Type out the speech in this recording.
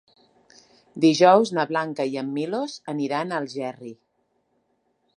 Dijous na Blanca i en Milos aniran a Algerri.